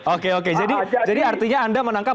oke oke jadi artinya anda menangkap